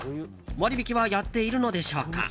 割引はやっているのでしょうか？